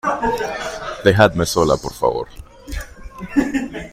dejadme sola, por favor